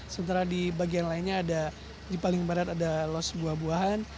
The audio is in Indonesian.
sementara di bagian lainnya ada di paling barat ada los buah buahan